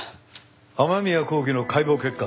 雨宮光喜の解剖結果だ。